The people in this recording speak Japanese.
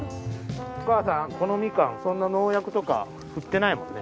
お母さんこのみかんそんな農薬とか振ってないもんね。